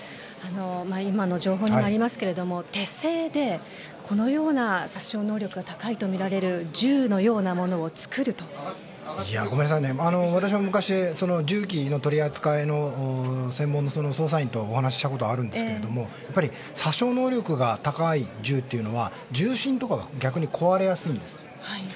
今の情報にもありますけども手製で、このような殺傷能力が高いとみられる私も昔銃器の取り扱いの専門の捜査員とお話したことあるんですけど殺傷能力が高い銃というのは銃身とかが逆に壊れやすいんです。